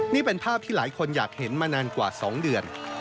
นี่เป็นภาพที่หลายคนอยากเห็นมานานกว่า๒เดือน